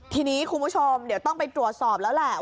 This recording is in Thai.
ทีนี้คุณผู้ชมเดี๋ยวต้องไปตรวจสอบแล้วแหละ